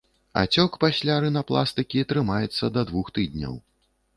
Ацёк пасля рынапластыкі трымаецца да двух тыдняў.